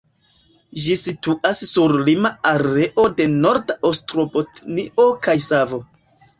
Ĝi situas sur lima areo de Norda Ostrobotnio kaj Savo.